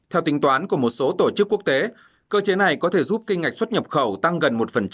theo tính toán của một số tổ chức quốc tế cơ chế này có thể giúp kinh ngạch xuất nhập khẩu tăng gần một